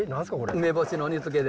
梅干しの煮つけです。